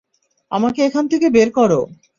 আমাকে এখান থেকে বের করো!